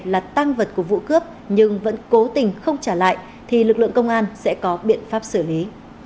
là tăng vật của vụ cướp nhưng vẫn cố tình không trả lại thì lực lượng công an sẽ có biện pháp xử lý